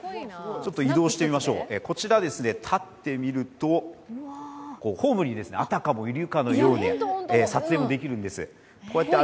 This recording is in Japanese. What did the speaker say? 移動してみましょうこちら立ってみるとホームにあたかもいるかのように撮影もできるんです。